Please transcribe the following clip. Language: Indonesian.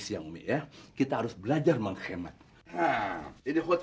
siang umi ya kita harus belajar menghemat